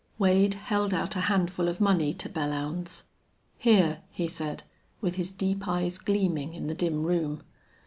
Wade held out a handful of money to Belllounds. "Here," he said, with his deep eyes gleaming in the dim room.